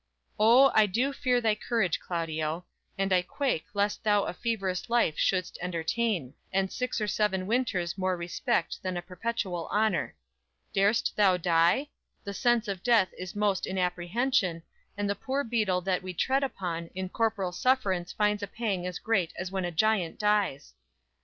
"__"O, I do fear thy courage, Claudio; and I quake Lest thou a feverous life should'st entertain, And six or seven winters more respect Than a perpetual honor. Dar'st thou die? The sense of death is most in apprehension; And the poor beetle that we tread upon, In corporal sufferance finds a pang as great As when a giant dies!